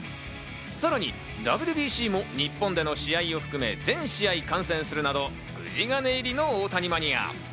さらにＷＢＣも日本での試合を含め、全試合観戦するなど筋金入りの大谷マニア。